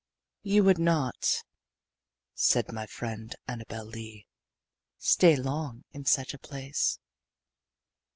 "You would not," said my friend Annabel Lee, "stay long in such a place."